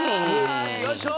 よいしょ